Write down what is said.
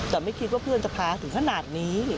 แต่ไม่คิดว่าเพื่อนจะพาถึงขนาดนี้